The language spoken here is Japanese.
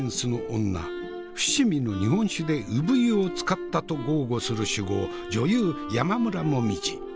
伏見の日本酒で産湯を使ったと豪語する酒豪女優山村紅葉。